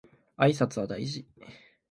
挨拶は大事